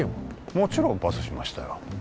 もちろんパスしましたよ